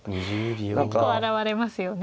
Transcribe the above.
結構現れますよね